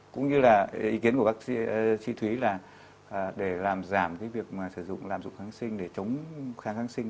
cũng như là ý kiến của bác sĩ thúy là để làm giảm việc sử dụng làm dụng kháng sinh để chống kháng sinh